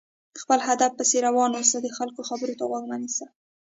خپل هدف پسې روان اوسه، د خلکو خبرو ته غوږ مه نيسه!